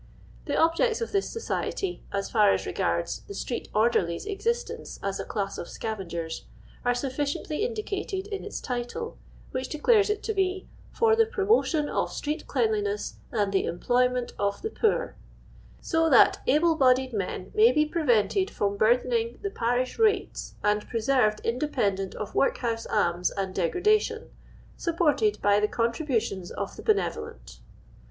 The objects of this society, as far as regards the street orderlies' existence as a class of scavengers, are sufficiently indicated in its title, which declares it to be " For the Promotion of Street Cleanliness and the Employment of the Poor; so that able bodied men may be prevented from burthening the parish rates, and preserved independent of workhouse alms and degradation. Supported by the contributions of the benevolent.